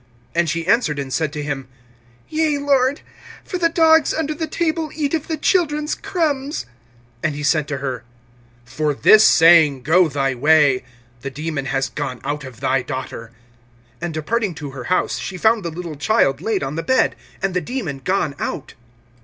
(28)And she answered and said to him: Yea, Lord; for the dogs under the table eat of the children's crumbs. (29)And he said to her: For this saying go thy way; the demon has gone out of thy daughter. (30)And departing to her house, she found the little child laid on the bed, and the demon gone out.